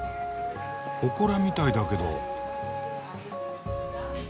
ほこらみたいだけど。